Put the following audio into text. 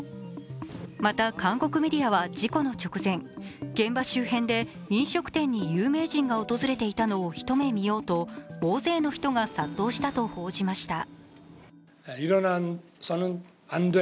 また韓国メディアは事故の直前現場周辺で飲食店に有名人が訪れていたのを一目見ようと大勢の人が殺到したと報じました。